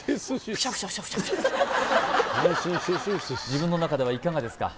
自分の中ではいかがですか？